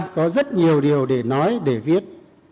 có rất nhiều điều để nói để viết